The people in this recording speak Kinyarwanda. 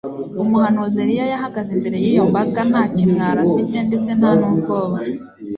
Umuhanuzi Eliya yahagaze imbere yiyo mbaga nta kimwaro afite ndetse nta nubwoba